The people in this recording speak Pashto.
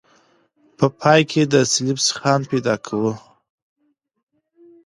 په پای کې د سلب سیخان پیدا کوو